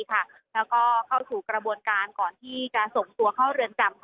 แล้วก็เข้าสู่กระบวนการก่อนที่จะส่งตัวเข้าเรือนจำ